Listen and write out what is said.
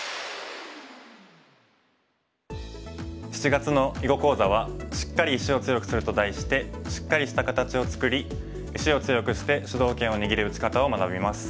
７月の囲碁講座は「シッカリ石を強くする」と題してシッカリした形を作り石を強くして主導権を握る打ち方を学びます。